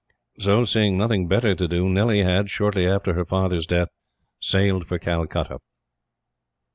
So, seeing nothing better to do, Nellie had, shortly after her father's death, sailed for Calcutta.